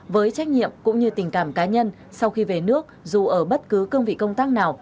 với trách nhiệm cũng như tình cảm cá nhân sau khi về nước dù ở bất cứ cương vị công tác nào